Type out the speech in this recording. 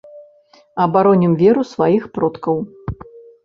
Абаронім веру сваіх продкаў.